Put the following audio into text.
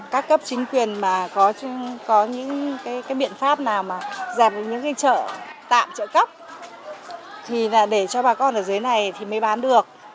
các cấp chính quyền có những biện pháp nào mà giảm những chợ tạm chợ cóc thì để cho bà con ở dưới này mới bán được